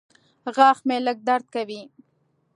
غاښ مې لږ درد کوي.